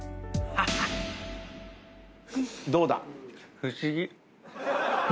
どうだ？